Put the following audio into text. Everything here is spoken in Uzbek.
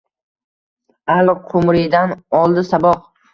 Аl-Qumriydan oldi saboq